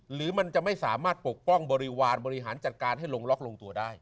หรือมันจะไม่สามารถปกป้องบริวารบริหารจัดการให้ลงล็อกลงตัวได้